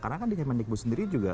karena kan di kemendikbud sendiri juga